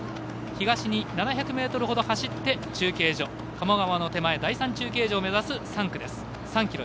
東に７００ｍほど走って中継所、鴨川の手前第３中継所を目指す３ｋｍです。